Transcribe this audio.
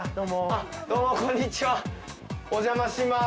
あっどうもこんにちはお邪魔します。